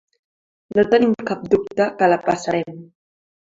No tenim cap dubte que la passarem.